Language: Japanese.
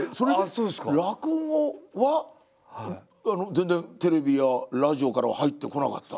全然テレビやラジオからは入ってこなかった？